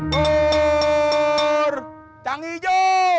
buur chang ijo